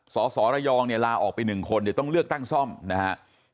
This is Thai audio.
สสระยองลาออกไป๑คนต้องเลือกตั้งซ่อมนะฮะ